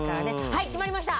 はい決まりました！